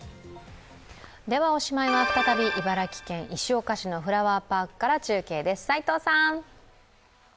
おしまいは、再び茨城県石岡市のいばらきフラワーパークから中継です。